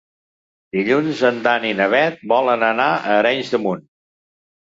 Dilluns en Dan i na Bet volen anar a Arenys de Munt.